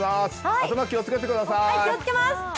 頭、気をつけてください。